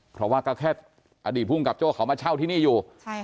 เพราะว่าก็แค่อดีตภูมิกับโจ้เขามาเช่าที่นี่อยู่